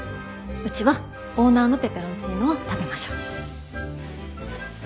うちはオーナーのペペロンチーノを食べましょう。